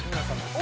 お！